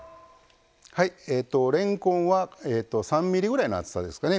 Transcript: れんこんは３ｍｍぐらいの厚さですかね。